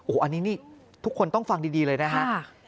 โอ้โหอันนี้ทุกคนต้องฟังดีเลยนะฮะ